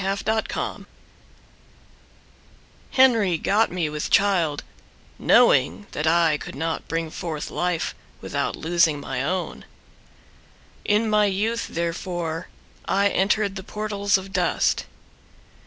Amanda Barker Henry got me with child, Knowing that I could not bring forth life Without losing my own. In my youth therefore I entered the portals of dust.